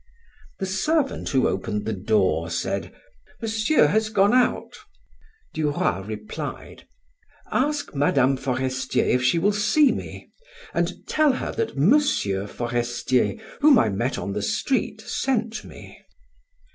The servant who opened the door said: "Monsieur has gone out." Duroy replied: "Ask Mme. Forestier if she will see me, and tell her that M. Forestier, whom I met on the street, sent me."